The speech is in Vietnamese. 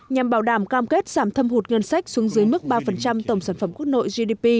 nhằm bảo đảm cam kết giảm thâm hụt ngân sách xuống dưới mức ba tổng sản phẩm quốc nội gdp